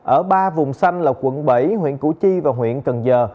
ở ba vùng xanh là quận bảy huyện củ chi và huyện cần giờ